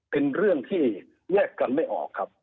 เป็นเรื่องที่แยกกันไม่ออกครับ